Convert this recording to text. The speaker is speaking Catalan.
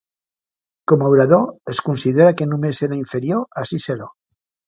Com a orador es considera que només era inferior a Ciceró.